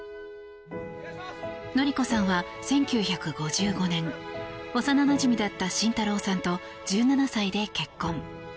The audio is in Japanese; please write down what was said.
典子さんは１９５５年幼なじみだった慎太郎さんと１７歳で結婚。